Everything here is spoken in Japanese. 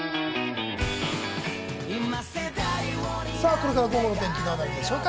これから午後の天気どうなるでしょうか？